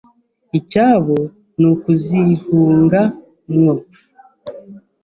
Icyabo ni ukuzihunga mwo